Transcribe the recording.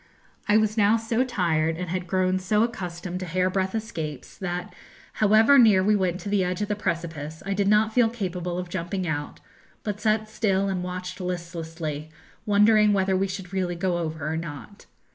I was now so tired, and had grown so accustomed to hairbreadth escapes, that, however near we went to the edge of the precipice, I did not feel capable of jumping out, but sat still and watched listlessly, wondering whether we should really go over or not.